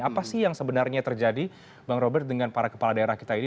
apa sih yang sebenarnya terjadi bang robert dengan para kepala daerah kita ini